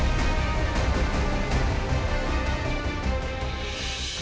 jurus yang berhati hati